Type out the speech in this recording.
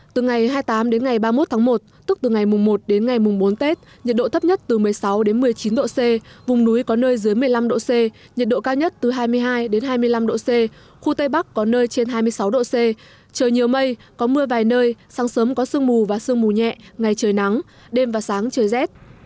từ ngày hai mươi tám đến ngày ba mươi một tháng một tức từ ngày mùng một đến ngày mùng bốn tết nhiệt độ thấp nhất từ một mươi sáu một mươi chín độ c vùng núi có nơi dưới một mươi năm độ c nhiệt độ cao nhất từ hai mươi hai hai mươi năm độ c khu tây bắc có nơi trên hai mươi sáu độ c trời nhiều mây có mưa vài nơi sáng sớm có sương mù và sương mù nhẹ ngày trời nắng đêm và sáng trời rét